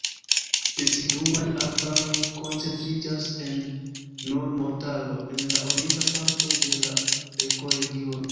Deciduaj arbaroj koncentriĝas en Nur-Montaro en la orienta parto de la ekoregiono.